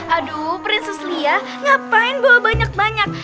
aduh princes lia ngapain bawa banyak banyak